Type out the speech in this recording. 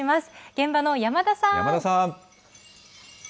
現場の山田さん。